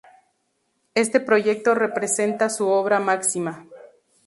Este proyecto representa su obra máxima.